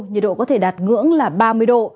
nhiệt độ có thể đạt ngưỡng là ba mươi độ